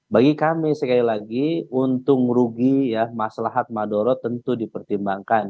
bagi kami sekali lagi untung rugi ya maslahat madoro tentu dipertimbangkan